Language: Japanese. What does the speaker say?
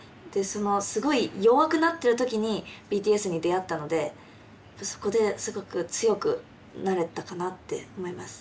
そのすごい弱くなってる時にＢＴＳに出会ったのでそこですごく強くなれたかなって思います。